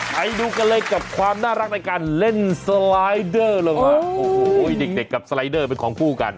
ไปดูกันเลยกับความน่ารักในการเล่นสไลด์เดอร์ลงมาโอ้โหเด็กกับสไลเดอร์เป็นของคู่กัน